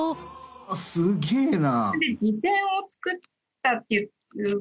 あっすげえな。